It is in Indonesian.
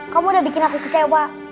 kamu udah bikin aku kecewa